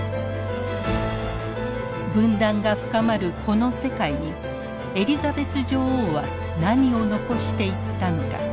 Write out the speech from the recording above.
分断が深まるこの世界にエリザベス女王は何を遺していったのか。